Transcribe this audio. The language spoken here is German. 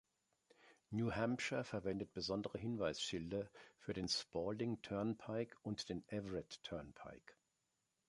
New Hampshire verwendet besondere Hinweisschilder für den Spaulding Turnpike und den Everett Turnpike.